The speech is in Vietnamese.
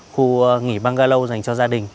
khu nghỉ bungalow dành cho gia đình